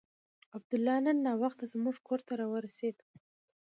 عبدالله نن ناوخته زموږ کور ته راورسېد.